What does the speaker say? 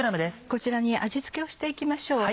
こちらに味付けをして行きましょう。